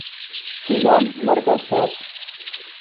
Цилӓм ныр пӓшӓш